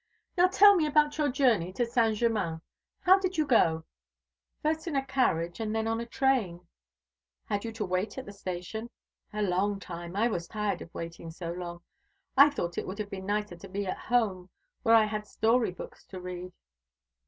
"Now tell me about your journey to Saint Germain. How did you go?" "First in a carriage, and then in a train." "Had you to wait at the station?" "A long time. I was tired of waiting so long. I thought it would have been nicer to be at home, where I had story books to read."